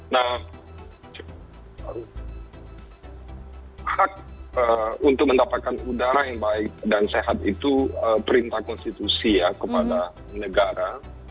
nah hak untuk mendapatkan udara yang baik dan sehat itu perintah konstitusi ya kepada negara